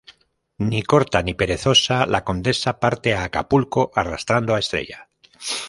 Ni corta ni perezosa, La Condesa parte a Acapulco arrastrando a Estrella.